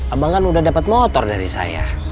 abang kan udah dapat motor dari saya